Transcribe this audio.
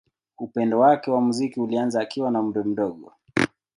Upendo wake wa muziki ulianza akiwa na umri mdogo.